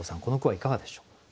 この句はいかがでしょう？